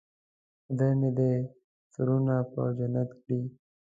خدای مې دې ترونه په جنت کړي.